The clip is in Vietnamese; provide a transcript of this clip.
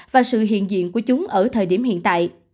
và sự hiện diện của chúng ở thời điểm hiện tại